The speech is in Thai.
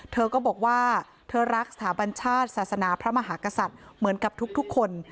เธอก็บอกว่าเธอรักสถาบัญชาติศาสนาพระมหากษัตริย์เหมือนกับทุกคน